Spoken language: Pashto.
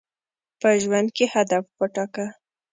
په ژوند کي هدف وټاکه.